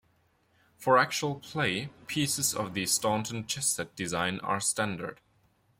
For actual play, pieces of the Staunton chess set design are standard.